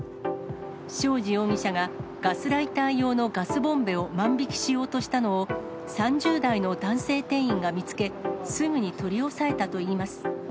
庄司容疑者がガスライター用のガスボンベを万引きしようとしたのを、３０代の男性店員が見つけ、すぐに取り押さえたといいます。